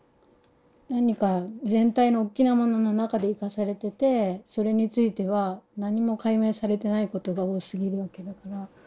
何か全体のおっきなものの中で生かされててそれについては何も解明されてないことが多すぎるわけだから。